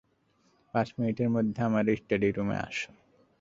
পাঁচ মিনিটের মধ্যে আমার স্টাডি রুমে আসো।